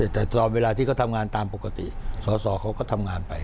แต่ตลอดเวลาที่เขาทำงานตามปกติสอสอเขาก็ทำงานไป